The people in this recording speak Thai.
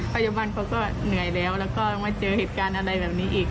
พยาบาลเขาก็เหนื่อยแล้วแล้วก็มาเจอเหตุการณ์อะไรแบบนี้อีก